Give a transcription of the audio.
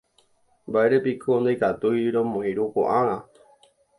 Mba'érepiko ndaikatúi romoirũ ko'ág̃a